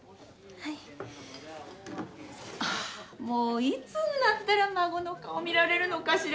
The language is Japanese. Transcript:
はあもういつになったら孫の顔を見られるのかしら？